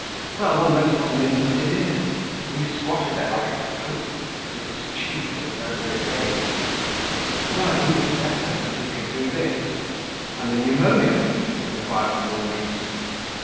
Well, one knows what an invalid is. He squatted there like a pope with his cheek of earlier days. Oh! he was better, as he could do this. "And the pneumonia?" inquired the laundress.